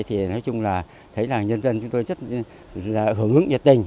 thấy là nhân dân chúng tôi rất hưởng ứng nhiệt tình